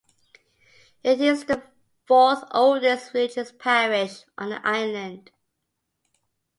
It is the fourth oldest religious parish on the island.